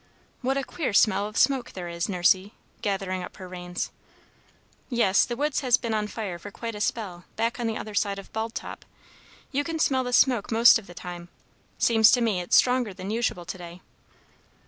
What a queer smell of smoke there is, Nursey!" gathering up her reins. "Yes; the woods has been on fire for quite a spell, back on the other side of Bald Top. You can smell the smoke most of the time. Seems to me it's stronger than usual, to day."